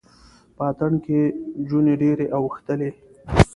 په اتڼ کې جونې ډیرې اوښتلې